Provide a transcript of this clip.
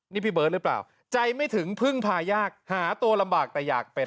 นี่พี่เบิร์ตหรือเปล่าใจไม่ถึงพึ่งพายากหาตัวลำบากแต่อยากเป็น